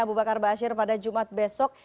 abu bakar basir pada jumat besok